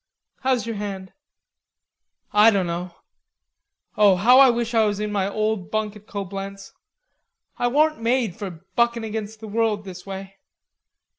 How's your hand?" "I dunno. Oh, how I wish I was in my old bunk at Coblenz. I warn't made for buckin' against the world this way....